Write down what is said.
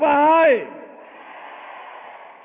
เอาความจริงใจมาเสนอ